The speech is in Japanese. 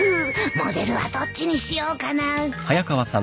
モデルはどっちにしようかな